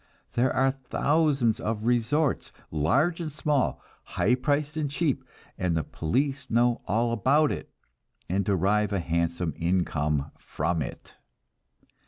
There are thousands of resorts, large and small, high priced and cheap, and the police know all about it, and derive a handsome income from it.